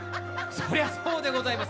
そりゃそうでございます。